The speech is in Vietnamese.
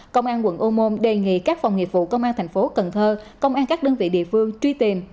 công an quận ô môn đề nghị các phòng nghiệp vụ công an thành phố cần thơ công an các đơn vị địa phương truy tìm